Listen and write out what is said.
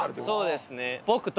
そうですね。